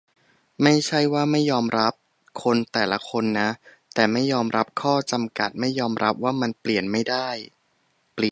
ไม่ใช่ว่าไม่ยอมรับคนแต่ละคนนะ แต่ไม่ยอมรับข้อจำกัด ไม่ยอมรับว่ามันเปลี่ยนไม่ได้